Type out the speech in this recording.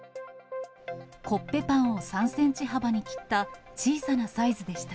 コッペパンを３センチ幅に切った小さなサイズでした。